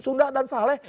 sunda dan saleh